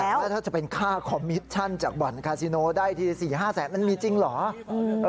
แล้วถ้าจะเป็นค่าคอมมิชชั่นจากบ่อนคาซิโนได้ที๔๕แสนมันมีจริงเหรอ